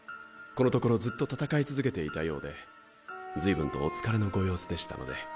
このところずっと戦い続けていたようで随分とお疲れのご様子でしたので。